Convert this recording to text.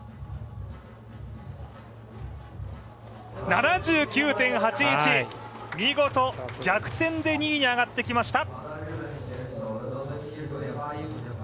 ７９．８１、見事逆転で２位に上がってきました。